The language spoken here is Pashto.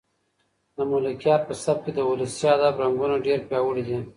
د ملکیار په سبک کې د ولسي ادب رنګونه ډېر پیاوړي دي.